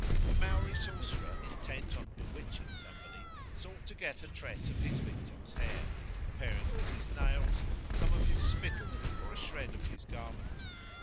A Maori sorcerer intent on bewitching somebody sought to get a tress of his victim's hair, the parings of his nails, some of his spittle, or a shred of his garment.